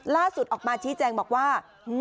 ล่าสุดออกมาชี้แจงบอกว่า